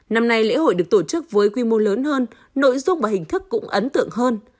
năm nay lễ hội được tổ chức với quy mô lớn hơn nội dung và hình thức cũng ấn tượng hơn